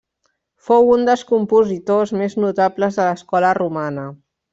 Fou un dels compositors més notables de l'escola romana.